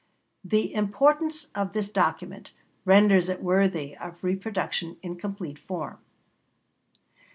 The importance of this document renders it worthy of reproduction in complete form.